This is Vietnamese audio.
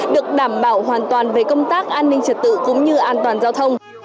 được đảm bảo hoàn toàn về công tác an ninh trật tự cũng như an toàn giao thông